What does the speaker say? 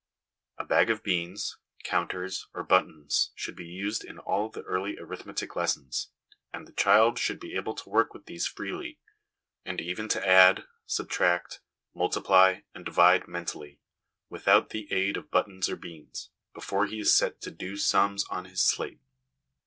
A bag of beans, counters, or buttons should be used in all the early arithmetic lessons, and the child should be able to work with these freely, and even to add, subtract, multiply, and divide mentally, without the aid of buttons or beans, before he is set to ' do sums ' on his slate.